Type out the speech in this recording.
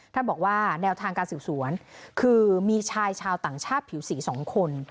ท่านบอกว่าแนวทางการสืบสวนคือมีชายชาวต่างชาติผิวสีสองคน